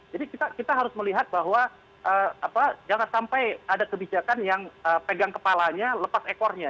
jadi kita harus melihat bahwa jangan sampai ada kebijakan yang pegang kepalanya lepas ekornya